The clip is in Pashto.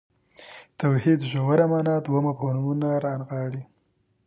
توحید ژوره معنا دوه مفهومونه رانغاړي.